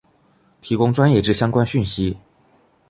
提供专业之相关讯息